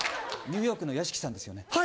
ニューヨークの屋敷さんですよね。